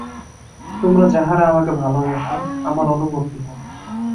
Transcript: তোমরা যাহারা আমাকে ভালোবাস, আমার অনুবর্তী হও!